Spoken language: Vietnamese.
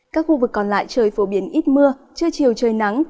các khu vực còn lại trời phổ biến ít mưa trưa chiều trời nắng